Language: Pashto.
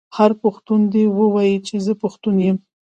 هر پښتون دې ووايي چې زه پښتو یم.